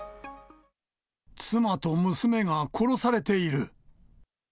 妻と娘が殺されている。